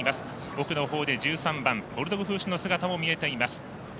奥のほう１３番ボルドグフーシュの姿も見えています。